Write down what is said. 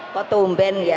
kok tumben ya